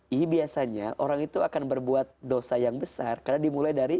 ini biasanya orang itu akan berbuat dosa yang besar karena dimulai dari